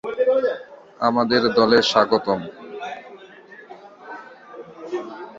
আমাদের দলে স্বাগতম।